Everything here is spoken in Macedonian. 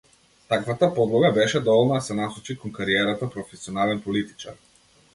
Таквата подлога беше доволна да се насочи кон кариерата професионален политичар.